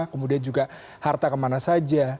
kemudian juga harta kemana saja